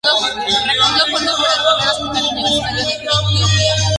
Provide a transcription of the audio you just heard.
Recaudó fondos para el primer hospital universitario de Etiopía.